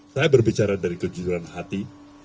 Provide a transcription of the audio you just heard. saya berbicara dari kejujuran hati